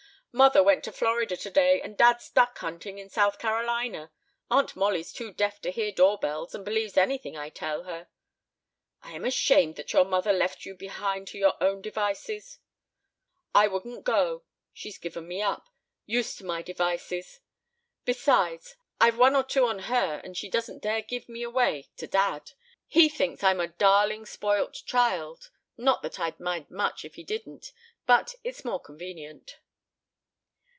"Mother went to Florida today and dad's duck hunting in South Carolina. Aunt Mollie's too deaf to hear doorbells and believes anything I tell her." "I am astonished that your mother left you behind to your own devices." "I wouldn't go. She's given me up used to my devices. Besides, I've one or two on her and she doesn't dare give me away to dad. He thinks I'm a darling spoilt child. Not that I'd mind much if he didn't, but it's more convenient."